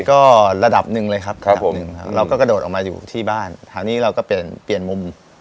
ก็ระดับหนึ่งเลยครับระดับหนึ่งครับเราก็กระโดดออกมาอยู่ที่บ้านคราวนี้เราก็เปลี่ยนเปลี่ยนมุม